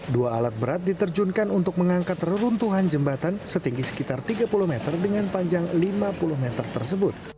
dua alat berat diterjunkan untuk mengangkat reruntuhan jembatan setinggi sekitar tiga puluh meter dengan panjang lima puluh meter tersebut